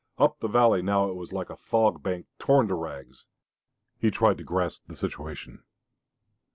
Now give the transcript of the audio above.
Up the valley now it was like a fog bank torn to rags. He tried to grasp the situation.